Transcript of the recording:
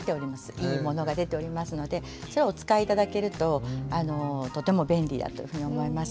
いいものが出ておりますのでそれをお使い頂けるととても便利だというふうに思います。